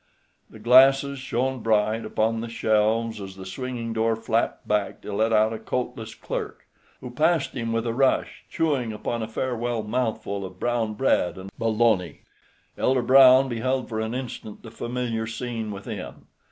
The glasses shone bright upon the shelves as the swinging door flapped back to let out a coatless clerk, who passed him with a rush, chewing upon a farewell mouthful of brown bread and bologna. Elder Brown beheld for an instant the familiar scene within.